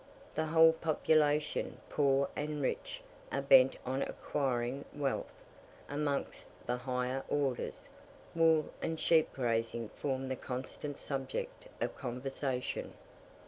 The whole population, poor and rich, are bent on acquiring wealth: amongst the higher orders, wool and sheep grazing form the constant subject of conversation.